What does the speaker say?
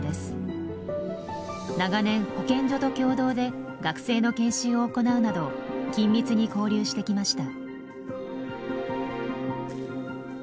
長年保健所と共同で学生の研修を行うなど緊密に交流してきました。